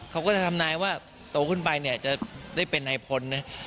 เขาก็จะทำนายว่าโตขึ้นไปเนี่ยจะได้เป็นนายพลนะ